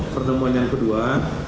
pertemuan yang kedua